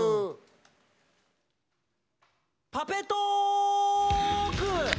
「パペトーーク」。